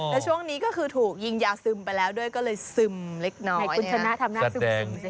แล้วช่วงนี้ก็คือถูกยิงยาซึมไปแล้วด้วยก็เลยซึมเล็กน้อยให้คุณชนะทำหน้าซึม